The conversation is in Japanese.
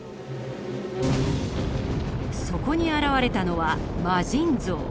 そこに現れたのは魔神像。